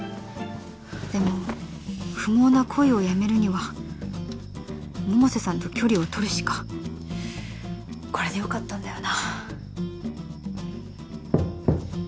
でも不毛な恋をやめるには百瀬さんと距離をとるしかこれでよかったんだよな